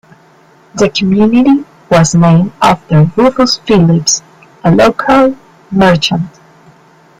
The community was named after Rufus Phillips, a local merchant.